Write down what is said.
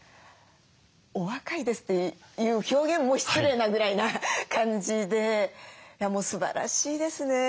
お若いですという表現も失礼なぐらいな感じでもうすばらしいですね。